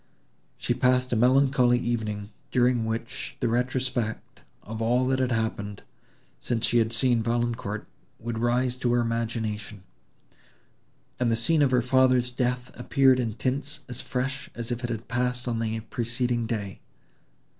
She passed a melancholy evening, during which the retrospect of all that had happened, since she had seen Valancourt, would rise to her imagination; and the scene of her father's death appeared in tints as fresh, as if it had passed on the preceding day.